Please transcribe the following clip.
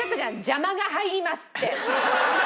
「邪魔が入ります」って。